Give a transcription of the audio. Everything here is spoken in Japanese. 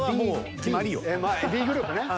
Ｂグループ。